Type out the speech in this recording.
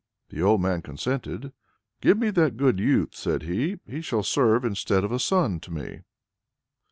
The old man consented. "Give me that good youth," said he. "He shall serve instead of a son to me."